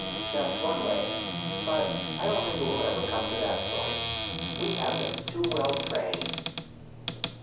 That's one way. But I don't think it will ever come to that point. We have them too well trained."